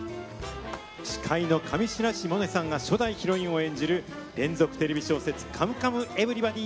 司会の上白石萌音さんが初代ヒロイン、安子を演じる連続テレビ小説「カムカムエヴリバディ」。